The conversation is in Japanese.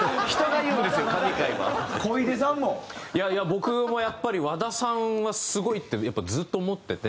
僕もやっぱり和田さんはすごいってやっぱずっと思ってて。